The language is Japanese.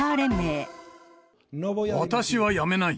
私は辞めない。